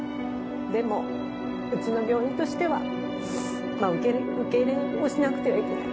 でも、うちの病院としては、受け入れをしなくてはいけない。